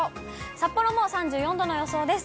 札幌も３４度の予想です。